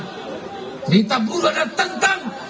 cerita buruh adalah tentang